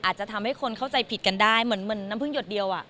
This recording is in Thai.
อาจจะทำให้คนเข้าใจผิดกันได้เหมือนน้ำพึ่งหยดเดียว